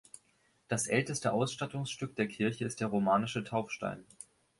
Das älteste Ausstattungsstück der Kirche ist der romanische Taufstein.